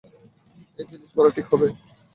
এই জিনিস পরা ঠিক হবে?